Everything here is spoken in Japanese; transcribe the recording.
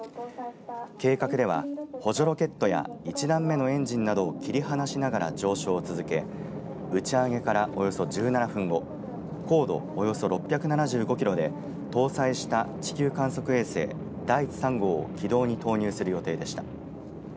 計画では補助ロケットや１段目のエンジンなどを切り離しながら上昇を続け打ち上げから、およそ１７分後高度およそ６７５キロで搭載した地球観測衛星だいち３号を軌道に投入する予定でした。